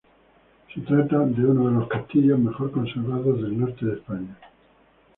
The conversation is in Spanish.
Se trata de uno de los castillos mejor conservados del norte de España.